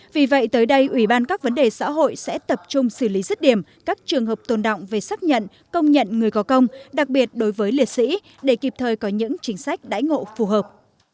vì vậy tới đây ủy ban các vấn đề xã hội sẽ tập trung xử lý rứt điểm các trường hợp tồn động về xác nhận công nhận người có công đặc biệt đối với liệt sĩ để kịp thời có những chính sách đãi ngộ phù hợp